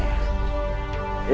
tidak tahu pak kiai